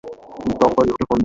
দমকল বিভাগকে ফোন দাও!